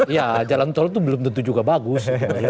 iya jalantol tuh belum tentu juga bagus